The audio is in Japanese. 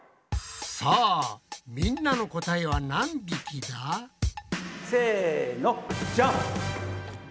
さあみんなの答えは何匹だ？せのじゃん！